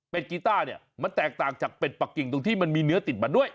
เป็นกีต้าเนี่ยมันแตกต่างจากเป็ดปะกิ่งตรงที่มันมีเนื้อติดมาด้วย